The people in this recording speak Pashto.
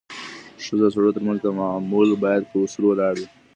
د ښځو او سړو ترمنځ تعامل بايد پر اصولو ولاړ وي.